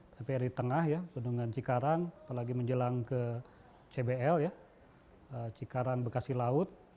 tapi dari tengah ya gunungan cikarang apalagi menjelang ke cbl ya cikarang bekasi laut